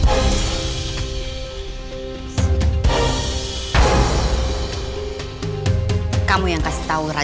jangan rukun rukun ya sama mas roynya